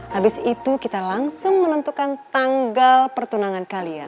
habis itu kita langsung menentukan tanggal pertunangan kalian